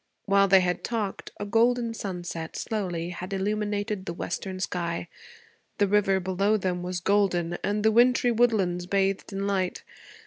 While they had talked, a golden sunset, slowly, had illuminated the western sky. The river below them was golden, and the wintry woodlands bathed in light.